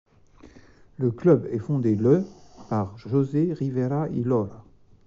Le club est fondé le par José Rivera y Lora.